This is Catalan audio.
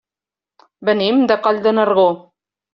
Venim de Coll de Nargó.